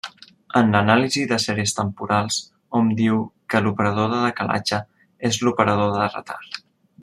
En l'anàlisi de sèries temporals, hom diu que l'operador de decalatge és l'operador de retard.